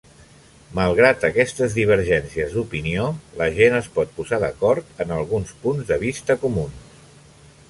Malgrat aquestes divergències d'opinió, la gent es pot posar d'acord en alguns punts de vista comuns.